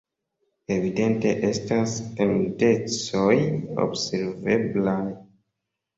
Evidente estas tendencoj observeblaj.